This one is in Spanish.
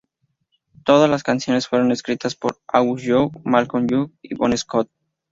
Todas las canciones fueron escritas por Angus Young, Malcolm Young y Bon Scott.